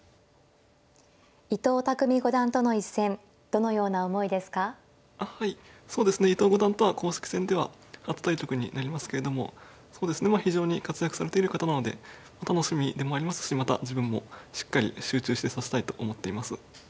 そうですね伊藤五段とは公式戦では初対局になりますけれども非常に活躍されている方なので楽しみでもありますしまた自分もしっかり集中して指したいと思っています。